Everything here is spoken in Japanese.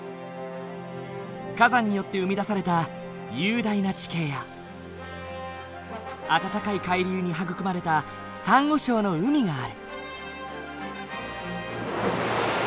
火山によって生み出された雄大な地形や温かい海流に育まれたサンゴ礁の海がある。